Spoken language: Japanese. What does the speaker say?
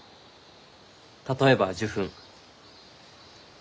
例えば受粉。